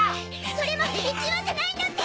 それも１羽じゃないんだって！